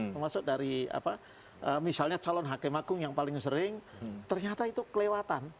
termasuk dari apa misalnya calon hakim agung yang paling sering ternyata itu kelewatan